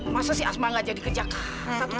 masa sih asma gak jadi ke jakarta